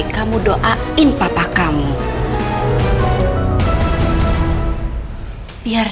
kamu gak apa apa